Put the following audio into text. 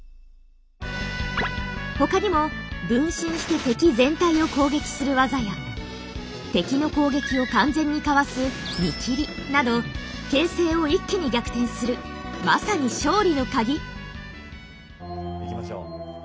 他にも分身して敵全体を攻撃する技や敵の攻撃を完全にかわす「見切り」など形勢を一気に逆転するまさに勝利のカギ！いきましょう。